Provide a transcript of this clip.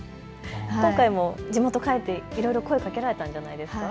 今回も地元帰って、いろいろ声かけられたんじゃないですか。